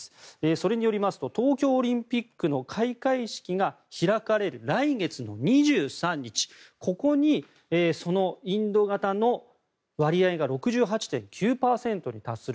それによりますと東京オリンピックの開会式が開かれる来月２３日にインド型の割合が６８．９％に達する。